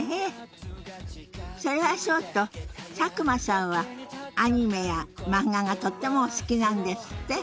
それはそうと佐久間さんはアニメや漫画がとってもお好きなんですって？